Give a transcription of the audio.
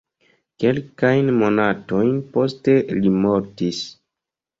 Kelkajn monatojn poste li mortis.